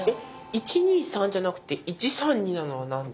１２３じゃなくて１３２なのは何で？